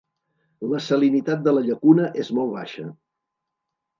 La salinitat de la llacuna és molt baixa.